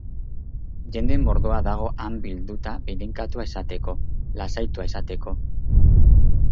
Jende mordoa dago han bilduta bedeinkatua izateko, lasaitua izateko.